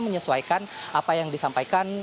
menyesuaikan apa yang disampaikan